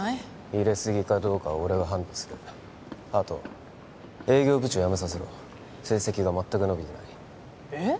入れすぎかどうかは俺が判断するあと営業部長辞めさせろ成績が全く伸びてないえっ？